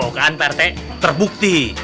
tuh kan pak rt terbukti